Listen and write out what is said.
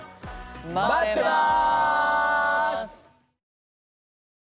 まってます！